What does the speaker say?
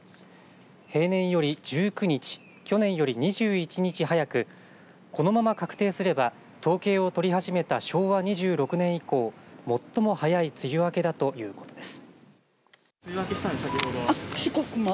平年より１９日去年より２１日早くこのまま確定すれば統計を取り始めた昭和２６年以降、最も早い梅雨明けだということです。